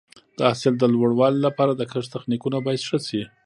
د حاصل د لوړوالي لپاره د کښت تخنیکونه باید ښه شي.